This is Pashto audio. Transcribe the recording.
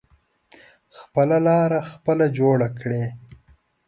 خپله لاره خپله جوړه کړی.